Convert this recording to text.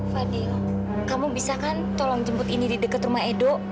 fadil kamu bisa kan tolong jemput ini di dekat rumah edo